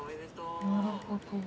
なるほど。